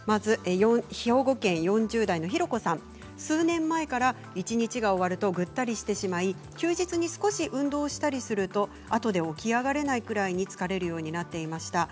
兵庫県４０代の方数年前から一日が終わるとぐったりしてしまい休日に少し運動したりするとあとで起き上がれないくらいに疲れるようになっていました。